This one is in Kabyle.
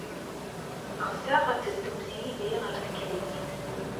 Ɣseɣ ad teddumt yid-i ɣer teklizt.